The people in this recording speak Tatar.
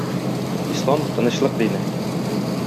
Ислам - тынычлык дине.